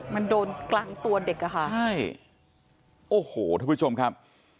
มันโดนกลางตัวเด็กอะค่ะใช่โอ้โหทุกผู้ชมครับ